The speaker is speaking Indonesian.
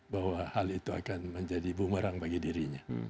bahwa hal itu akan menjadi bumerang bagi dirinya